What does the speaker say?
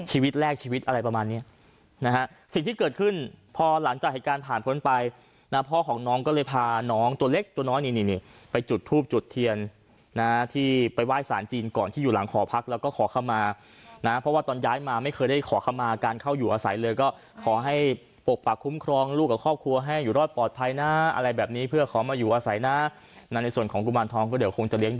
ชีวิตอะไรประมาณนี้นะฮะสิ่งที่เกิดขึ้นพอหลังจากเหตุการณ์ผ่านพ้นไปนะพ่อของน้องก็เลยพาน้องตัวเล็กตัวน้อยนี่นี่นี่ไปจุดทูบจุดเทียนนะที่ไปไหว้สารจีนก่อนที่อยู่หลังขอพักแล้วก็ขอเข้ามานะเพราะว่าตอนย้ายมาไม่เคยได้ขอเข้ามาการเข้าอยู่อาศัยเลยก็ขอให้ปกปะคุ้มครองลูกกับครอบครัวให้อยู่รอดปลอดภัย